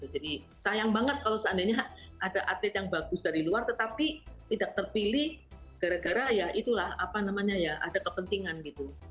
jadi sayang banget kalau seandainya ada atlet yang bagus dari luar tetapi tidak terpilih gara gara ya itulah apa namanya ya ada kepentingan gitu